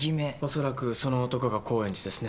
恐らくその男が高円寺ですね。